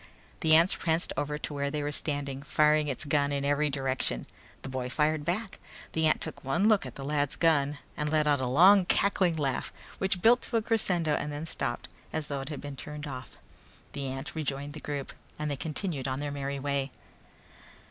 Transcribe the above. The ant pranced over to where they were standing, firing its gun in every direction. The boy fired back. The ant took one look at the lad's gun and let out a long cackling sound which built to a crescendo and then stopped as though it had been turned off. The ant rejoined the group and they continued on their merry way.